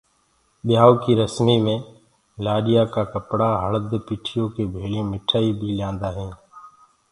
ڀيآئوٚ ڪي رسمي مي لآڏيآ ڪآ ڪپڙا هݪد پِٺيو ڪي ڀيݪی مٺآئي بيٚ ليِآندآ هينٚ۔